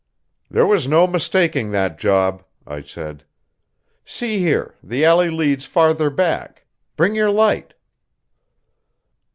"There was no mistaking that job," I said. "See here, the alley leads farther back. Bring your light."